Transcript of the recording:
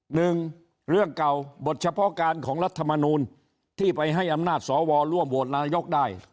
หนึ่งเรื่องเก่าบทเฉพาะการของรัฐมนูลที่ไปให้อำนาจสวร่วมโหวตนายกได้